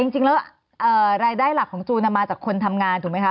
จริงแล้วรายได้หลักของจูนมาจากคนทำงานถูกไหมคะ